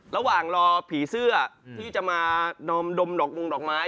ระหว่างรอผีเสื้อที่จะมานอมดมดอกมุงดอกไม้